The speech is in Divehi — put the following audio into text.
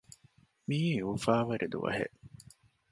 މިއީ އުފާވެރި ދުވަހެއް